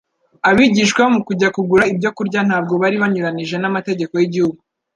Abigishwa, mu kujya kugura ibyo kurya, ntabwo bari banyuranije n’amategeko y’igihugu